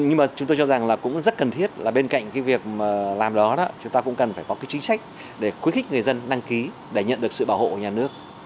nhưng mà chúng tôi cho rằng là cũng rất cần thiết là bên cạnh cái việc làm đó chúng ta cũng cần phải có cái chính sách để khuyến khích người dân đăng ký để nhận được sự bảo hộ của nhà nước